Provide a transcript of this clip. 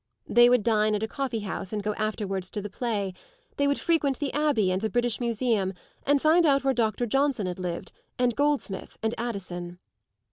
They would dine at a coffee house and go afterwards to the play; they would frequent the Abbey and the British Museum and find out where Doctor Johnson had lived, and Goldsmith and Addison.